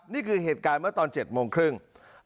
นี่คือเหตุการณ์เมื่อตอน๗โมงครึ่ง